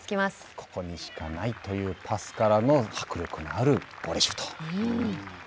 ここしかないというパスからの迫力のあるボレーシュート。